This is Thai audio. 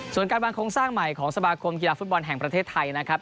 ส่วนการวางโครงสร้างใหม่ของสมาคมกีฬาฟุตบอลแห่งประเทศไทยนะครับ